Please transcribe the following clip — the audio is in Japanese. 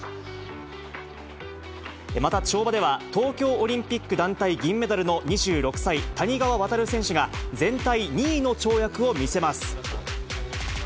また跳馬では、東京オリンピック団体銀メダルの２６歳、谷川航選手が全体２位の跳躍を見せます。